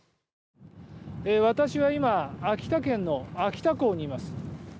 私は今秋田県の秋田港にいます。